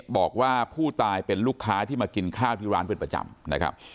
บอกว่าผู้ตายเป็นลูกค้าที่มากินข้าวที่ร้านเป็นประจำนะครับ